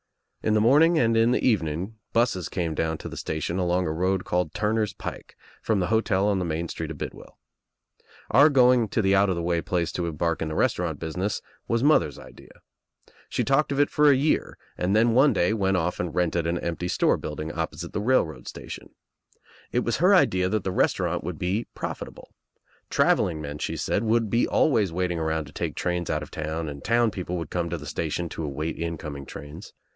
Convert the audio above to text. In the morning and in the evening busses came down to the station along a road called Turner's Pike from the hotel on the main street of Bidwell. Our going to the out of the way place to em bark in the restaurant business was mother's idea. She talked of it for a year and then one day went off and rented an empty store building opposite the railroad T H E E G G 53 ' Station. It was her idea that the restaurant would be ifprofitable. Travelling men, she said, would be always iwalting around to take trains. out_of_ town and town Fpcople would come to the station to await incoming trains.